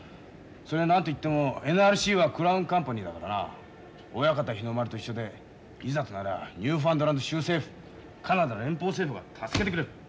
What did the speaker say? それに何と言ってもＮＲＣはクラウンカンパニーだからな親方日の丸と一緒でいざとなりゃニューファンドランド州政府カナダ連邦政府が助けてくれる。